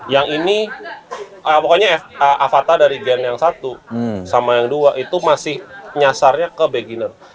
yang ini pokoknya avata dari gen yang satu sama yang dua itu masih nyasarnya ke beginner